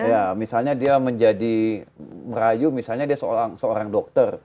ya misalnya dia menjadi merayu misalnya dia seorang dokter